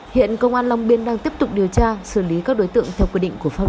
hiện công an long biên đang tiếp tục điều tra xử lý các đối tượng theo quy định của pháp luật